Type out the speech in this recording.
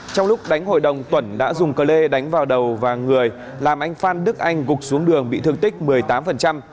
trong lúc đánh hội đồng tuẩn đã dùng cờ lê đánh vào đầu và người làm anh phan đức anh gục xuống đường bị thương tích một mươi tám